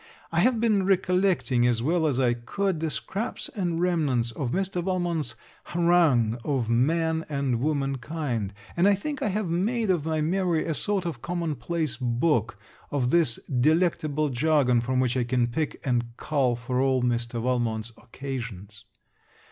I have been recollecting, as well as I could, the scraps and remnants of Mr. Valmont's harangue of man and womankind; and I think I have made of my memory a sort of common place book of this delectable jargon, from which I can pick and cull for all Mr. Valmont's occasions.